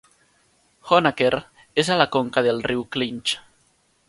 Honaker és a la conca del riu Clinch.